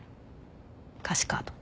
歌詞カード。